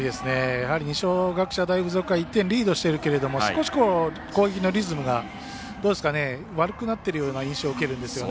やはり二松学舎大付属が１点リードしているけれども少し攻撃のリズムが悪くなっているような印象を受けるんですよね。